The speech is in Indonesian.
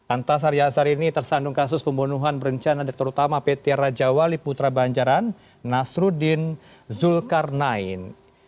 antasari azhar ini tersandung kasus pembunuhan berencana direktur utama pt raja wali putra banjaran nasruddin zulkarnain